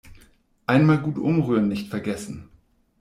Einmal gut umrühren nicht vergessen.